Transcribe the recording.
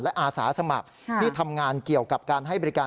และอาสาสมัครที่ทำงานเกี่ยวกับการให้บริการ